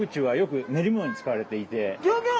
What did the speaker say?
ギョギョッ！